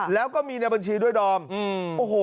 แล้วก็มีในบัญชีด้วยดอมโอ้โห